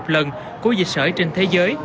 một lần hai lần ba lần